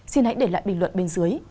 xin hãy để lại bình luận bên dưới